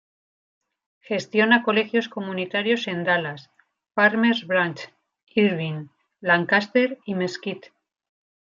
Gestiona colegios comunitarios en Dallas, Farmers Branch, Irving, Lancaster, y Mesquite.